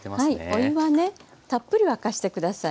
お湯はねたっぷり沸かしてください。